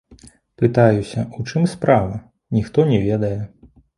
Пытаюся ў чым справа, ніхто не ведае.